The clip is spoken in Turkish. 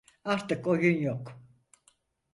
Artık oyun yok.